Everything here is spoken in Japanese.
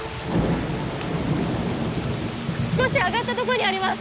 少し上がったどごにあります！